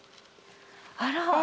あら。